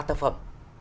ba tác phẩm